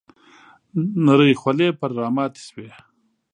نرۍ خولې پر راماتې شوې .